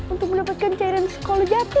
untuk mendapatkan cairan sekolah jati